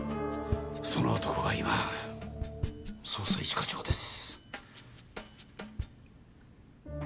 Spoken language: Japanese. その男が今捜査一課長です。